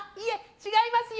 違いますよ！